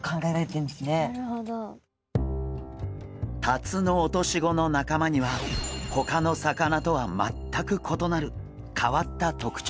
タツノオトシゴの仲間にはほかの魚とは全く異なる変わった特徴があるんです。